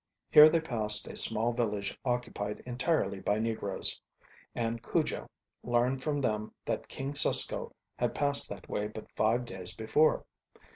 Here they passed a small village occupied entirely by negroes, and Cujo learned from them that King Susko had passed that way but five days before.